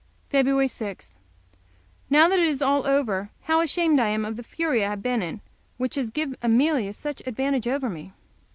Feb. 6. Now that it is all over, how ashamed I am of the fury I have been in, and which has given Amelia such advantage over me!